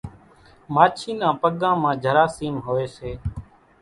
ماڇِي نان پڳان مان جراثيم هوئيَ سي۔